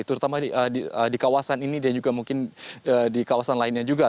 terutama di kawasan ini dan juga mungkin di kawasan lainnya juga